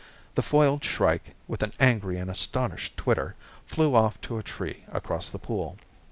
The foiled shrike, with an angry and astonished twitter, flew off to a tree across the pool.